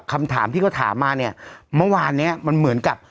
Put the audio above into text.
คำถามที่เขาถามมาเนี่ยเมื่อวานเนี้ยมันเหมือนกับ